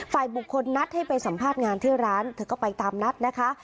ฝ่ายบุคคลนัดให้ไปสัมภาษณ์งานที่ร้านเธอก็ไปตามนัดนะคะ